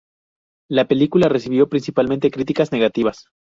La película recibió principalmente críticas negativas.